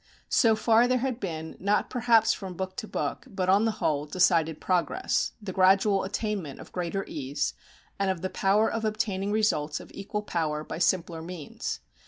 So far there had been, not perhaps from book to book, but on the whole, decided progress, the gradual attainment of greater ease, and of the power of obtaining results of equal power by simpler means.